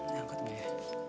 nyangkut gue ya